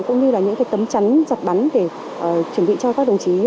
cũng như là những tấm chắn giọt bắn để chuẩn bị cho các đồng chí